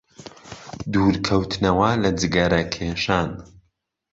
دوورکەوتنەوە لە جگەرەکێشان